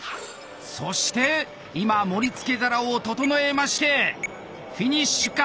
そして今盛り付け皿を整えてましてフィニッシュか。